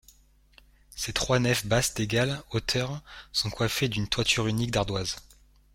Ses trois nefs basses d'égale hauteur sont coiffées d'une toiture unique d'ardoises.